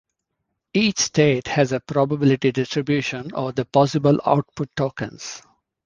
Each state has a probability distribution over the possible output tokens.